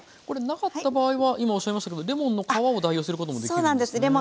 これ無かった場合は今おっしゃいましたけどレモンの皮を代用することもできるんですね。